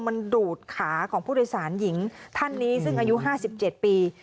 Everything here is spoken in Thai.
มันดูดขาของผู้โดยสารหญิงท่านนี้ซึ่งอายุ๕๗ปี